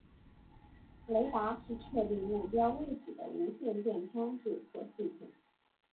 雷达是测定目标位置的无线电装置或系统。